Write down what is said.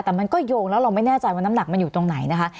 แต่มันก็โยงแล้วเราไม่แน่ใจว่าน้ำหนักมันอยู่ตรงไหนนะคะ